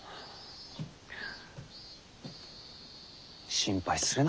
心配するな。